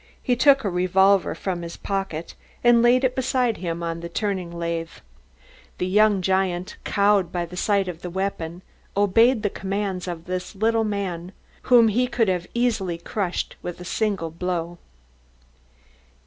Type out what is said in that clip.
He took a revolver from his pocket and laid it beside him on the turning lathe. The young giant, cowed by the sight of the weapon, obeyed the commands of this little man whom he could have easily crushed with a single blow.